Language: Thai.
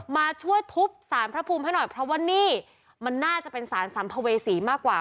มาช่วยทุบสารพระภูมิให้หน่อยเพราะว่านี่มันน่าจะเป็นสารสัมภเวษีมากกว่า